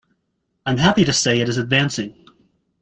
I am happy to say it is advancing.